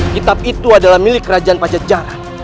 kitab itu adalah milik raja pajajara